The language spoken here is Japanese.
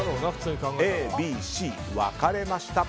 ＡＢＣ、分かれました。